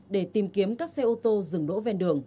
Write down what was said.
để tìm kiếm các xe ô tô dừng đỗ ven đường